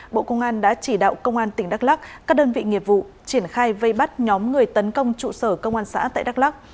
bộ công an đã chỉ đạo công an tỉnh đắk lắc các đơn vị nghiệp vụ triển khai vây bắt nhóm người tấn công trụ sở công an xã tại đắk lắc